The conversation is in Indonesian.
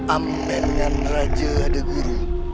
amenan raja degul